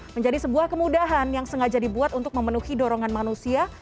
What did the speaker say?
menjadi sebuah kemudahan yang sengaja dibuat untuk memenuhi dorongan manusia